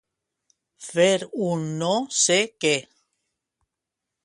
Fer un no sé què.